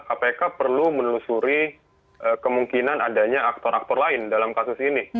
kpk perlu menelusuri kemungkinan adanya aktor aktor lain dalam kasus ini